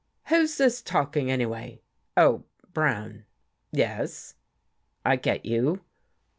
" Who's this talking, anyway. Oh, Brown — yes — I get you.